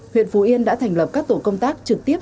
huyện phú yên đã thành lập các tổ công tác trực tiếp